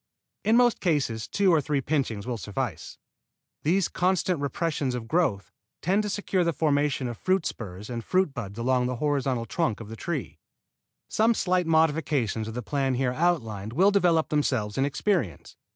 In most cases two or three pinchings will suffice. These constant repressions of growth tend to secure the formation of fruit spurs and fruit buds along the horizontal trunk of the tree. Some slight modifications of the plan here outlined will develop themselves in experience.